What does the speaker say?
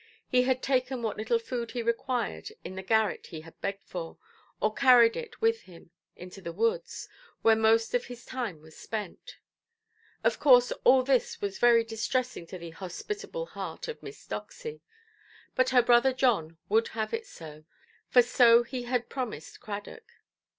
He had taken what little food he required in the garret he had begged for, or carried it with him into the woods, where most of his time was spent. Of course all this was very distressing to the hospitable heart of Miss Doxy; but her brother John would have it so, for so he had promised Cradock.